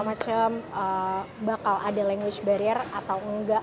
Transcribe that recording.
macam bakal ada language barrier atau enggak